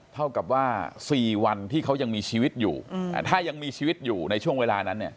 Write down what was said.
เท่ากับว่า๔วันที่เขายังมีชีวิตอยู่ถ้ายังมีชีวิตอยู่ในช่วงเวลานั้นเนี่ย